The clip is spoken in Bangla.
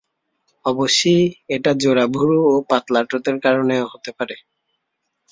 অবশ্যি এটা জোড়া ভুরু ও পাতলা ঠোঁটের কারণেও হতে পারে।